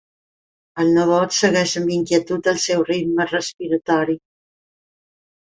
El nebot segueix amb inquietud el seu ritme respiratori.